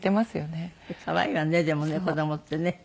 可愛いわねでもね子供ってね。